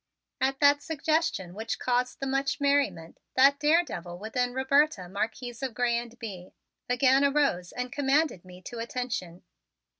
And at that suggestion which caused the much merriment, that daredevil within Roberta, Marquise of Grez and Bye, again arose and commanded me to attention.